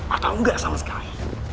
atau enggak sama sekali